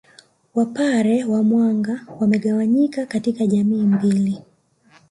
Wapare wa Mwanga wamegawanyika katika jamii mbili